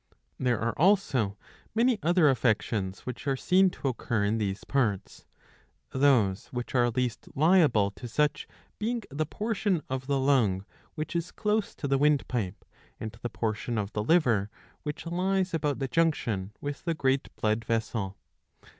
^^ There are also many other affections which are seen to occur in these parts, those which are least liable to such being the portion of the lung which is close to the windpipe, and the portion of the liver which lies about the junction with the great blood vessel.